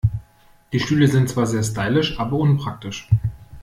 Die Stühle sind zwar sehr stylisch, aber unpraktisch.